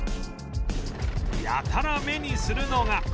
やたら目にするのが